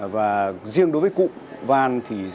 và riêng đối với cụm van thì